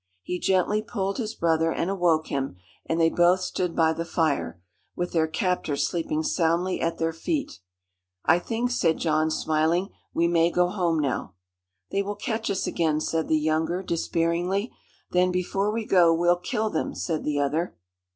He gently pulled his brother and awoke him, and they both stood by the fire, with their captors sleeping soundly at their feet. "I think," said John, smiling, "we may go home now." "They will catch us again," said the younger, despairingly. "Then, before we go, we'll kill them," said the other.